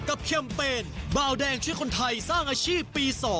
แคมเปญเบาแดงช่วยคนไทยสร้างอาชีพปี๒